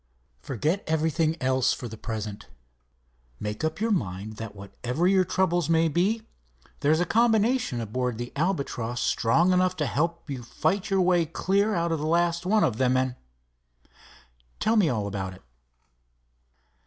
Forget everything else for the present. Make up your mind that whatever your troubles may be, there's a combination aboard the Albatross strong enough to help you fight your way clear out of the last one of them, and—tell me all about it."